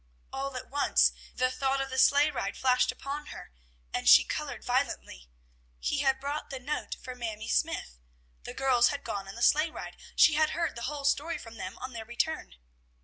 All at once the thought of the sleigh ride flashed upon her, and she colored violently. He had brought the note for Mamie Smythe. The girls had gone on the sleigh ride. She had heard the whole story from them on their return.